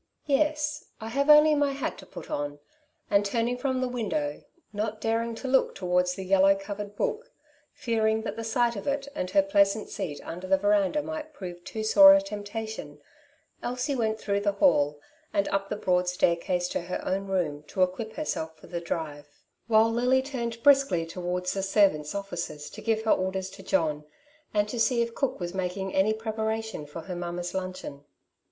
" Yes ; I have only my hat to put on ;" and turning from the window, not daring to look Elsies Influence. 55 towards the yellow oovered book^ fearing that the sight of it and her pleasant seat under the verandah might prove too sore a temptation^ Elsie went through the hall, and np the broad staircase to her own room, to equip herself for her drive — while Lily turned briskly towards the servants' offices to give her orders to John, and to see if cook was making any preparation for her mamma's Inncheon.